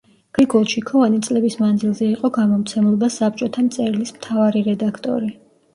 გრიგოლ ჩიქოვანი წლების მანძილზე იყო გამომცემლობა საბჭოთა მწერლის მთავარი რედაქტორი.